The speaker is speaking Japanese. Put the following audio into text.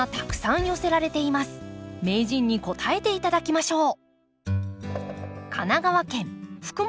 名人に答えて頂きましょう。